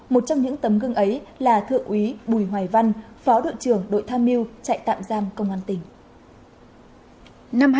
một trong những tấm gương ấy là thượng úy bùi hoài văn phó đội trưởng đội tham mưu chạy tạm giam công an tỉnh